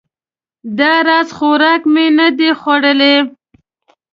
دا راز خوراک مې نه ده خوړلی